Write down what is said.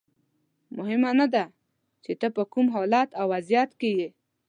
مهمه نه ده چې ته په کوم حالت او وضعیت کې یې.